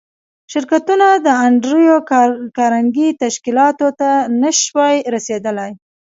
شرکتونه د انډریو کارنګي تشکیلاتو ته نشوای رسېدای